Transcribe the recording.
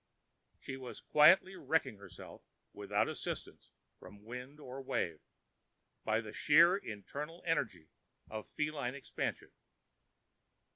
She was quietly wrecking herself without assistance from wind or wave, by the sheer internal energy of feline expansion.